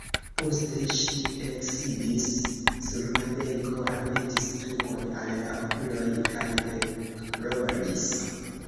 Poste ŝi eksidis sur la benko, almetis tukon al la okuloj kaj ekploris.